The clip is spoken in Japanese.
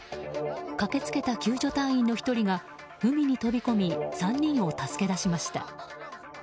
駆けつけた救助隊員の１人が海に飛び込み３人を助け出しました。